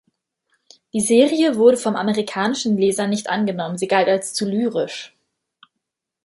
Die Serie wurde vom amerikanischen Lesern nicht angenommen, sie galt als "zu lyrisch".